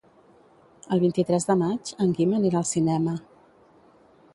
El vint-i-tres de maig en Guim anirà al cinema.